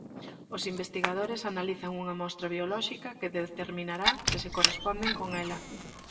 Os investigadores analizan unha mostra biolóxica que determinará se se corresponden con ela.